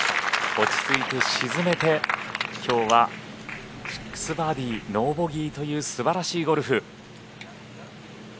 落ち着いて沈めて、きょうは６バーディー、ノーボギーという素晴らしいゴルフ。